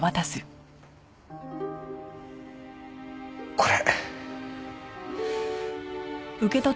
これ。